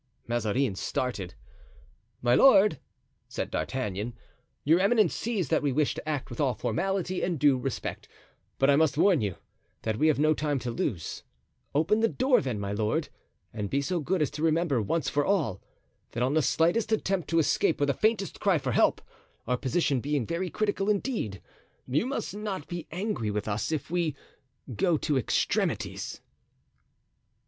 Mazarin started. "My lord," said D'Artagnan, "your eminence sees that we wish to act with all formality and due respect; but I must warn you that we have no time to lose; open the door then, my lord, and be so good as to remember, once for all, that on the slightest attempt to escape or the faintest cry for help, our position being very critical indeed, you must not be angry with us if we go to extremities."